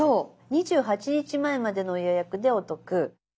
「２８日前までの予約でお得」。